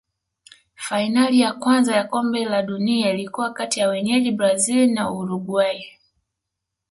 fainali ya kwanza ya kombe la dunia ilikuwa kati ya wenyeji brazil na uruguay